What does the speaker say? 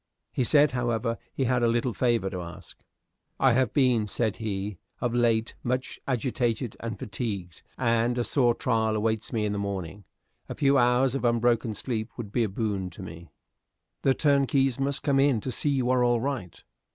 He said, however, he had a little favor to ask. "I have been," said he, "of late much agitated and fatigued, and a sore trial awaits me in the morning. A few hours of unbroken sleep would be a boon to me." "The turnkeys must come in to see you are all right."